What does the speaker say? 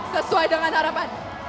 sesuai dengan harapan